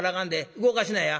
動かしなや。